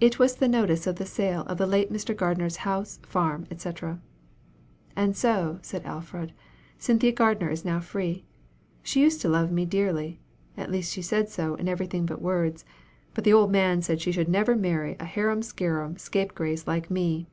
It was the notice of the sale of the late Mr. Gardner's House, farm, &c. "And so," said Alfred, "Cynthia Gardner is now free. She used to love me dearly at least she said so in every thing but words; but the old man said she should never marry a harum scarum scape grace like me.